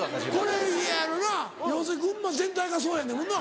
これなぁ要するに群馬全体がそうやねんもんな。